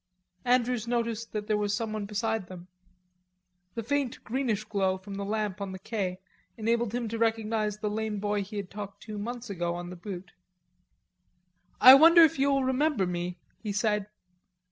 Andrews noticed that there was someone beside them. The faint, greenish glow from the lamp on the quai enabled him to recognize the lame boy he had talked to months ago on the Butte. "I wonder if you'll remember me," he said.